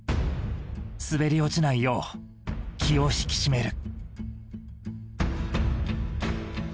滑り落ちないよう気を引き締める。